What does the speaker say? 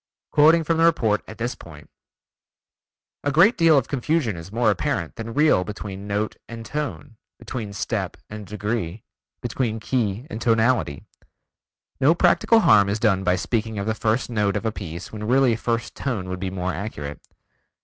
Quoting from the report at this point: "A great deal of confusion is more apparent than real between note and tone, between step and degree, between key and tonality. No practical harm is done by speaking of the first note of a piece when really first tone would be more accurate.